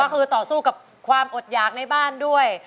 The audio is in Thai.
ก็คือต่อสู้กับความอดหยากในบ้านด้วย